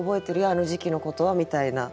あの時期のことはみたいな。